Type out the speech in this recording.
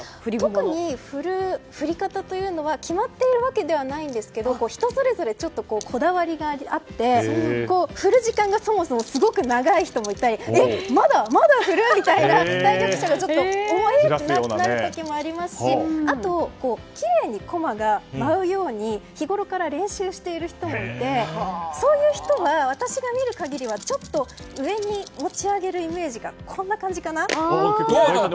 特に振り方は決まっているわけではないですが人それぞれ、こだわりがあって振る時間がそもそもすごく長い人がいたりまだ振る？みたいに対局者が思うこともありますしあと、きれいに駒が舞うように日ごろから練習している人もいてそういう人は、私が見る限りはちょっと上に持ち上げるイメージで。